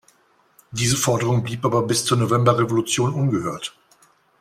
Diese Forderung blieb aber bis zur Novemberrevolution ungehört.